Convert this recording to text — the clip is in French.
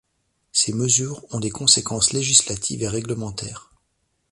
Ces mesures ont des conséquences législatives et réglementaires.